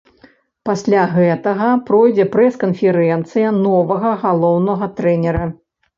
Пасля гэтага пройдзе прэс-канферэнцыя новага галоўнага трэнера.